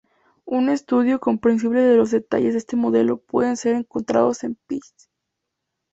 Un estudio comprensible de los detalles de este modelo pueden ser encontrados en "Phys.